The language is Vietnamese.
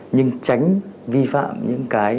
nhưng tránh vi phạm những cái